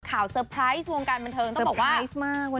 ข่าวสเตอร์ไพรส์วงการบันเทิงต้องบอกว่าสเตอร์ไพรส์มากว่า